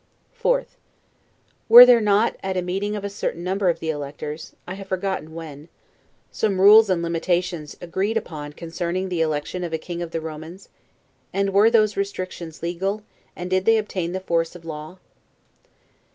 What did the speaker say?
4th. Were there not, at a meeting of a certain number of the electors (I have forgotten when), some rules and limitations agreed upon concerning the election of a King of the Romans? And were those restrictions legal, and did they obtain the force of law?